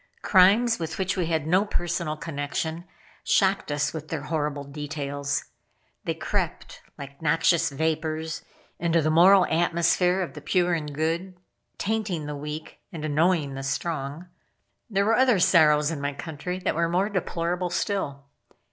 Crimes, with which we had no personal connection, shocked us with their horrible details. They crept, like noxious vapors, into the moral atmosphere of the pure and good; tainting the weak, and annoying the strong. There were other sorrows in my country that were more deplorable still.